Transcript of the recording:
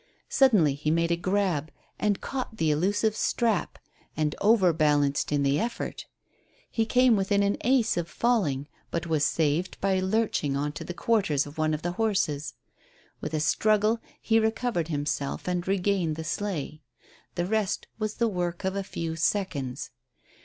Suddenly he made a grab and caught the elusive strap and overbalanced in the effort. He came within an ace of falling, but was saved by lurching on to the quarters of one of the horses. With a struggle he recovered himself and regained the sleigh. The rest was the work of a few seconds.